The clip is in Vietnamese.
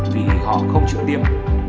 vì họ không chịu tiêm